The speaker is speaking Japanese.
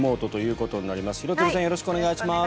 よろしくお願いします。